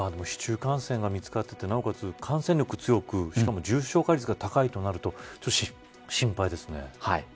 市中感染が見つかってなおかつ、感染力が強くしかも重症化率が高いとなると心配ですね。